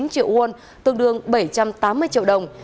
ba mươi chín triệu won tương đương bảy trăm tám mươi triệu đồng